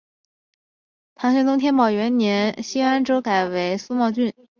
唐玄宗天宝元年新安州改为苏茂郡。